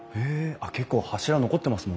あっ結構柱残ってますもんね。